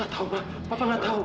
gak tau mak papa gak tau